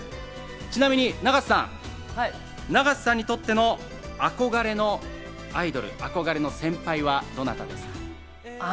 ちなみに永瀬さん、永瀬さんにとっての憧れのアイドル、憧れの先輩はどなたですか？